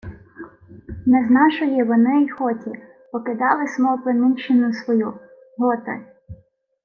— Не з нашої вини й хоті покидали смо племінщину свою. Готи...